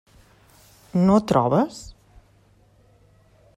No trobes?